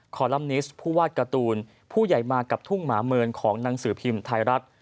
ลัมนิสผู้วาดการ์ตูนผู้ใหญ่มากับทุ่งหมาเมินของหนังสือพิมพ์ไทยรัฐ